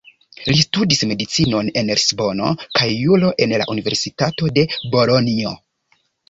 Li studis medicinon en Lisbono kaj juro en la Universitato de Bolonjo.